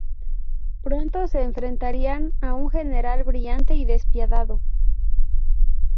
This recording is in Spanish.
Pronto se enfrentarían a un general brillante y despiadado.